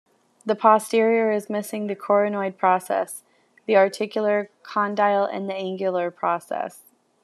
The posterior is missing the coronoid process, the articular condyle and the angular process.